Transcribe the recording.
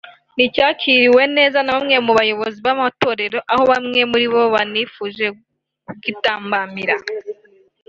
nticyakiriwe neza na bamwe mu bayobozi b’amatorero aho bamwe muri bo banifuje kugitambamira